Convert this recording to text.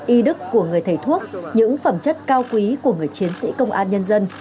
y đức của người thầy thuốc những phẩm chất cao quý của người chiến sĩ công an nhân dân